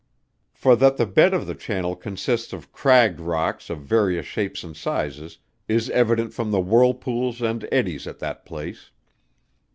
For that the bed of the channel consists of cragged rocks of various shapes and sizes, is evident from the whirlpools and eddies at that place.